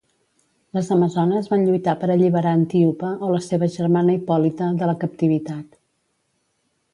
Les amazones van lluitar per alliberar Antíope o la seva germana Hipòlita de la captivitat.